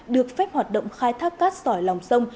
được phép hoạt động khai thác cát sỏi lòng sông